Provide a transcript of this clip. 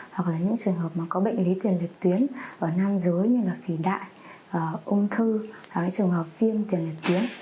hoặc là những trường hợp mà có bệnh lý tiền liệt tuyến ở nam giới như là phì đại ung thư hoặc là những trường hợp phim tiền liệt tuyến